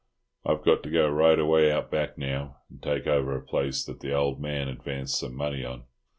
I've to go right away out back now and take over a place that the old man advanced some money on.